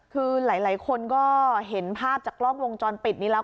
คือหลายคนก็เห็นภาพจากกล้องวงจรปิดนี้แล้ว